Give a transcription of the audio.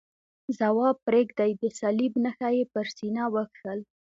ځواب پرېږدئ، د صلیب نښه یې پر سینه وکښل.